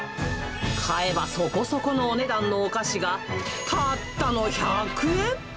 買えばそこそこのお値段のお菓子がたったの１００円。